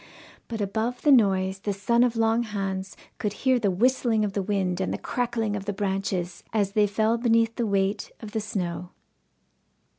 But above the noise the son of Long Hans could hear the whistling of the wind and the crackling of the branches as they fell beneath the weight of the snow.